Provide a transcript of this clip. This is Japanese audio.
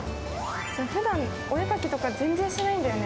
ふだんお絵描きとか全然しないんだよね。